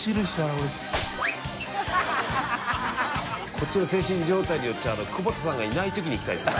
こっちの精神状態によっては彿歸弔気鵑いないときに行きたいですね。